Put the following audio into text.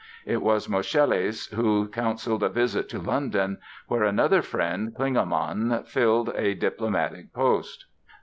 It was Moscheles who counseled a visit to London, where another friend, Klingemann, filled a diplomatic post.